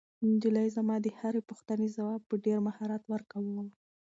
نجلۍ زما د هرې پوښتنې ځواب په ډېر مهارت ورکاوه.